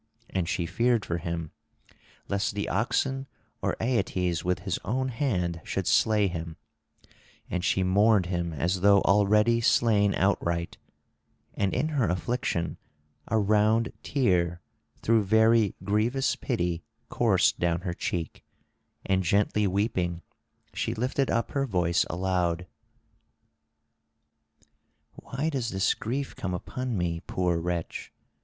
And she feared for him, lest the oxen or Aeetes with his own hand should slay him; and she mourned him as though already slain outright, and in her affliction a round tear through very grievous pity coursed down her cheek; and gently weeping she lifted up her voice aloud: "Why does this grief come upon me, poor wretch?